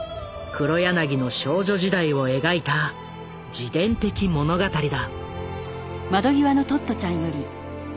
黒柳の少女時代を描いた自伝的物語だ。